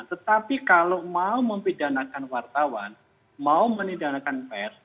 tetapi kalau mau mempidanakan wartawan mau menidanakan pers